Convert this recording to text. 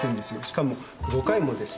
しかも５回もですよ。